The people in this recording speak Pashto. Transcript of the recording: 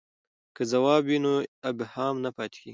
که ځواب وي نو ابهام نه پاتیږي.